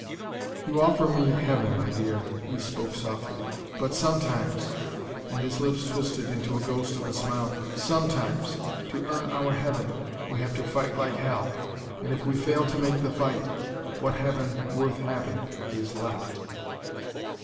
"You offer me heaven, my dear," he spoke softly. "But sometimes" and his lips twisted into a ghost of a smile "sometimes, to earn our heaven, we have to fight like hell. And, if we fail to make the fight, what heaven worth having is left?